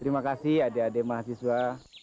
terima kasih adik adik mahasiswa